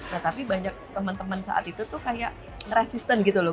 nah tapi banyak teman teman saat itu tuh kayak resisten gitu loh